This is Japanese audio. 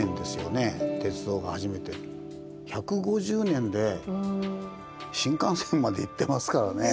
１５０年で新幹線までいってますからね。